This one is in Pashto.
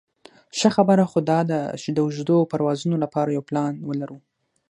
ښه خبره خو داده د اوږدو پروازونو لپاره یو پلان ولرو.